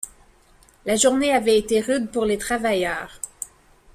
La journée avait été rude pour les travailleurs.